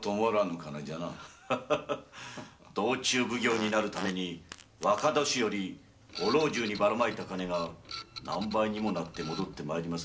道中奉行になるために若年寄りご老中にばらまいた金が何倍にもなって戻って参りますな。